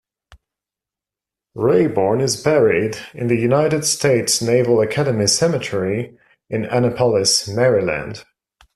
Raborn is buried in the United States Naval Academy Cemetery in Annapolis, Maryland.